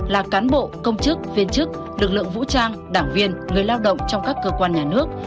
là cán bộ công chức viên chức lực lượng vũ trang đảng viên người lao động trong các cơ quan nhà nước